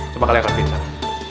coba kalian akan pincar